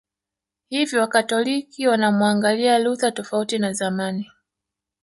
Hivyo Wakatoliki wanamuangalia Luther tofauti na zamani